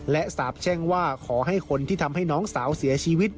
และสาบแช่งว่าขอให้คนที่ทำให้น้องสาวเสียชีวิต